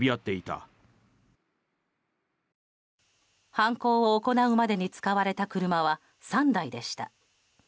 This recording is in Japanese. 犯行を行うまでに使われた車は３台でした。